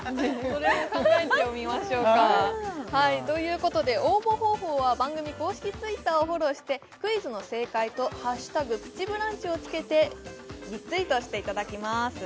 それも考えてみましょうかはいということで応募方法は番組公式Ｔｗｉｔｔｅｒをフォローしてクイズの正解と「＃プチブランチ」をつけてリツイートしていただきます